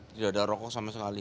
tidak ada rokok sama sekali